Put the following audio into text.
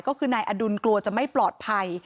ก็คือนายอดุลกลัวจะไม่ปลอดภัย